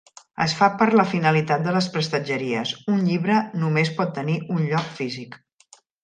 Es fa per la finalitat de les prestatgeries: un llibre només pot tenir un lloc físic.